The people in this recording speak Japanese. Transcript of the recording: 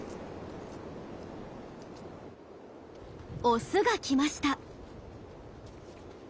オスが来ました。